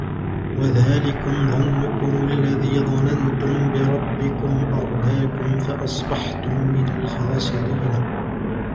وذلكم ظنكم الذي ظننتم بربكم أرداكم فأصبحتم من الخاسرين